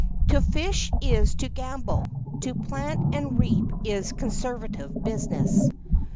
To fish is to gamble; to plant and reap is conservative business.